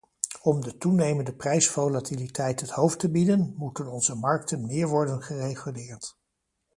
Om de toenemende prijsvolatiliteit het hoofd te bieden, moeten onze markten meer worden gereguleerd.